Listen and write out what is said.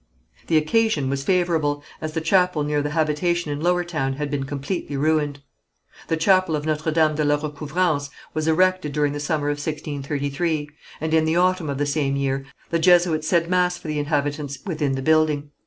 The occasion was favourable, as the chapel near the habitation in Lower Town had been completely ruined. The chapel of Notre Dame de la Recouvrance was erected during the summer of 1633, and in the autumn of the same year the Jesuits said mass for the inhabitants within the building.